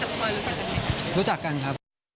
จริงกับคอยรู้จักกันไหม